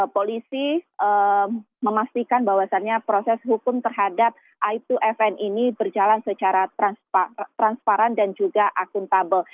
polisi memastikan bahwasannya proses hukum terhadap aip dua fn ini berjalan secara transparan dan juga akuntabel